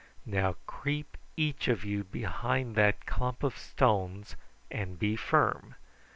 Now creep each of you behind that clump of stones and be firm.